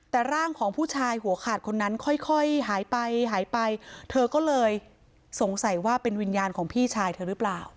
แต่ร่างของผู้ชายหัวขาดคนนั้นค่อยหายไปหายไปเธอก็เลยสงสัยว่าเป็นวิญญาณของพี่ชายเธอหรือเปล่า